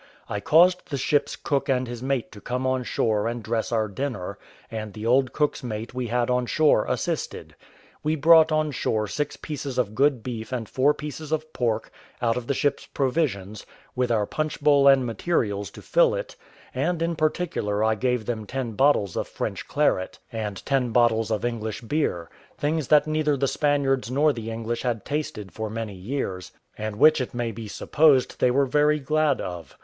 I caused the ship's cook and his mate to come on shore and dress our dinner, and the old cook's mate we had on shore assisted. We brought on shore six pieces of good beef and four pieces of pork, out of the ship's provisions, with our punch bowl and materials to fill it; and in particular I gave them ten bottles of French claret, and ten bottles of English beer; things that neither the Spaniards nor the English had tasted for many years, and which it may be supposed they were very glad of.